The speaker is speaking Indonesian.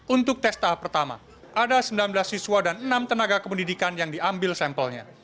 untuk tes tahap pertama ada sembilan belas siswa dan enam tenaga kependidikan yang diambil sampelnya